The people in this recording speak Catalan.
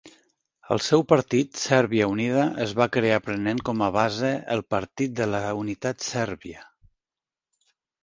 El seu partit, Sèrbia unida, es va crear prenent com a base el Partit de la unitat sèrbia.